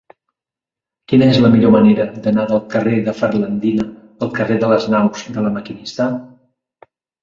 Quina és la millor manera d'anar del carrer de Ferlandina al carrer de les Naus de La Maquinista?